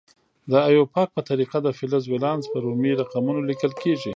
د ایوپاک په طریقه د فلز ولانس په رومي رقمونو لیکل کیږي.